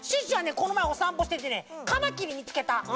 このまえおさんぽしててねカマキリみつけた！